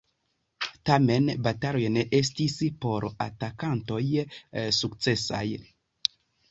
Tamen bataloj ne estis por atakantoj sukcesaj.